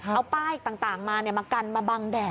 เอาป้ายต่างมามากันมาบังแดด